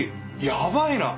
やばいな。